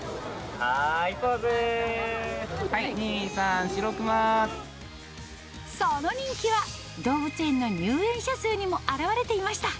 はい、２、３、その人気は、動物園の入園者数にも表れていました。